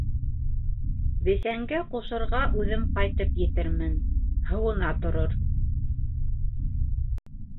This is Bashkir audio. Бесәнгә ҡушырға үҙем ҡайтып етермен, һыуына торор!